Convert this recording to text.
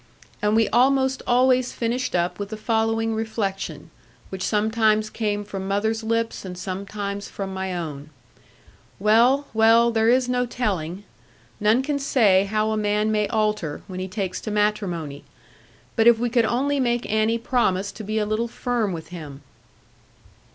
And we almost always finished up with the following reflection, which sometimes came from mother's lips, and sometimes from my own: 'Well, well, there is no telling. None can say how a man may alter; when he takes to matrimony. But if we could only make Annie promise to be a little firm with him!'